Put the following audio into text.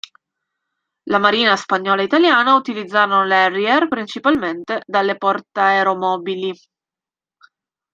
La marina spagnola e italiana utilizzano l'Harrier, principalmente dalle portaeromobili.